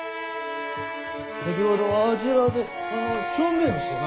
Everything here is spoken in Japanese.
先ほどあちらで小便をしてな。